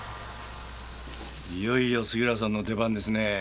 いよいよ杉浦さんの出番ですね。